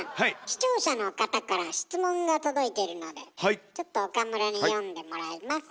視聴者の方から質問が届いてるのでちょっと岡村に読んでもらいます。